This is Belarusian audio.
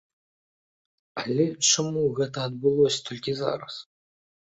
Але чаму гэта адбылося толькі зараз?